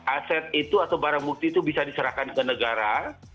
aset itu atau barang bukti itu bisa diserahkan ke negara